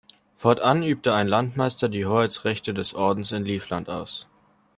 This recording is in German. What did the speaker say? Fortan übte ein Landmeister die Hoheitsrechte des Ordens in Livland aus.